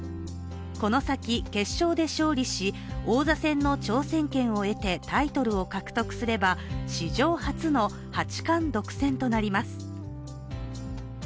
この先、決勝で勝利し王座戦の挑戦権を得てタイトルを獲得すれば、史上初の八冠独占となります。